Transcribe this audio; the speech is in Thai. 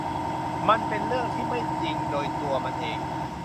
มันเป็นเรื่องที่ไม่จริงโดยตัวมันเอง